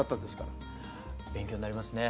勉強になりますね。